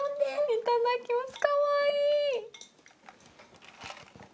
いただきます。